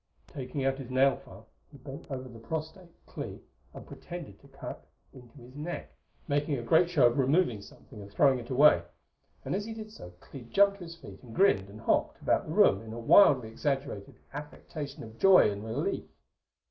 Taking out his nailfile, he bent over the prostrate Clee and pretended to cut into his neck, making a great show of removing something and throwing it away; and as he did so Clee jumped to his feet and grinned and hopped about the room in a wildly exaggerated affectation of joy and relief.